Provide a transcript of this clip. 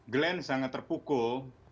glenn sangat terpukul